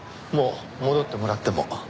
もう戻ってもらっても。